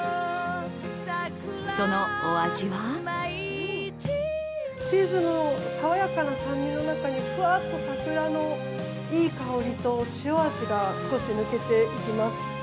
そのお味はチーズのさわやかな酸味の中にふわっと桜のいい香りと、塩味が少し抜けていきます。